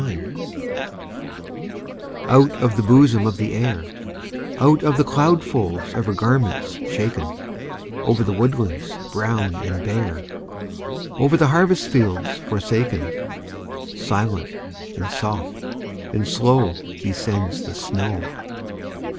SNOW FLAKES Out of the bosom of the Air, Out of the cloud folds of her garments shaken, Over the woodlands brown and bare, Over the harvest fields forsaken, Silent, and soft, and slow Descends the snow.